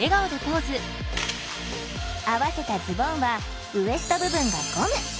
合わせたズボンはウエスト部分がゴム。